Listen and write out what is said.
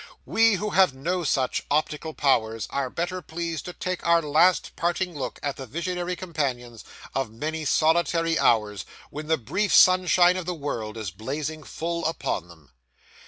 We, who have no such optical powers, are better pleased to take our last parting look at the visionary companions of many solitary hours, when the brief sunshine of the world is blazing full upon them.